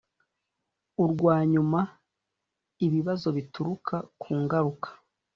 urwa nyuma ibibazo bituruka ku ngaruka